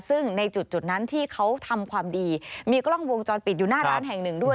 ซึ่งในจุดนั้นที่เขาทำความดีมีกล้องวงจรปิดอยู่หน้าร้านแห่งหนึ่งด้วย